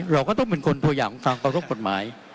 เราก็ต้องเป็นคนตัวอย่างของทางเคารพกฎหมาย